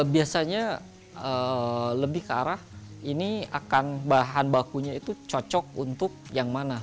biasanya lebih ke arah ini akan bahan bakunya itu cocok untuk yang mana